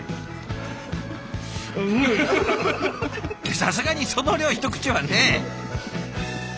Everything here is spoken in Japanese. さすがにその量一口はね。